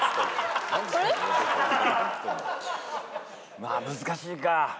まあ難しいか。